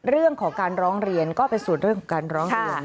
เรื่องของการร้องเรียนก็เป็นสูตรเรื่องของการร้องเรียน